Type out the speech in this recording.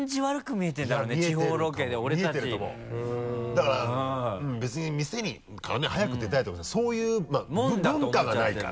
だから別に店からね早く出たいとかじゃなくてそういう文化がないから。